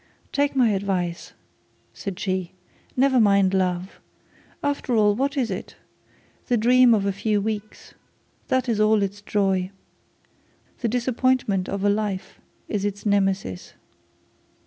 'Take my advice,' said she. 'Never mind love. After all, what is it? The dream of a few weeks. That is all its joy. The disappointment of a life is its Nemesis.